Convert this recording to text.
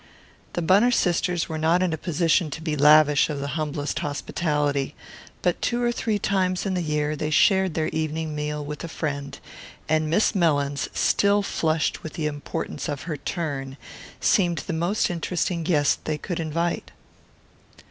The Bunner sisters were not in a position to be lavish of the humblest hospitality, but two or three times in the year they shared their evening meal with a friend; and Miss Mellins, still flushed with the importance of her "turn," seemed the most interesting guest they could invite.